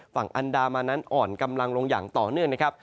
ฝั่งอันดามันนั้นอ่อนกำลังลงอย่างต่อเนื่องนะครับ